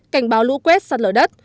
cảnh báo lũ quét sạt lở đất